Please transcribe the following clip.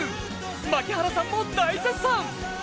槙原さんも大絶賛。